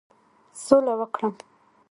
سوله وکړم.